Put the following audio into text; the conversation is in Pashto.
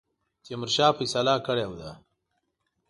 تیمورشاه فیصله کړې ده.